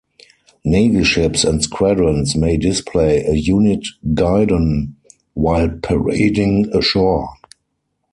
Navy ships and squadrons may display a unit guidon while parading ashore.